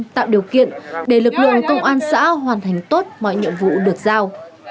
tạo điều kiện để lực lượng công an xã hoàn thành tốt mọi nhiệm vụ được giao